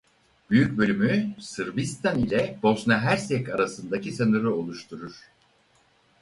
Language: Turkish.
Büyük bölümü Sırbistan ile Bosna-Hersek arasındaki sınırı oluşturur.